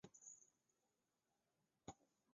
在今山东省南部。